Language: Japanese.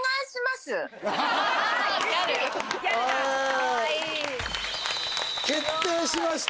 かわいい決定しました